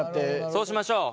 そうしましょう。